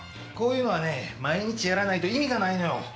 こういうのはね、毎日やらないと意味がないのよ。